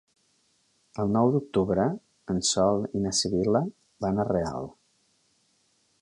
El nou d'octubre en Sol i na Sibil·la van a Real.